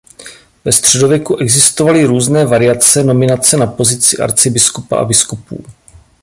Ve středověku existovaly různé variace nominace na pozici arcibiskupa a biskupů.